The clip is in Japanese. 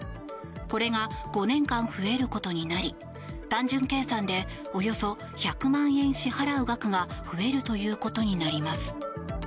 これが５年間増えることになり単純計算でおよそ１００万円支払う額が増えるということになります。